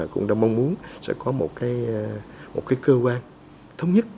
cũng đã mong muốn sẽ có một cái cơ quan thống nhất